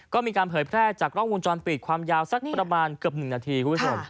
ก็มีการเผยแพร่จากกล้องวงจรปิดความยาวสักประมาณเกือบ๑นาทีคุณผู้ชม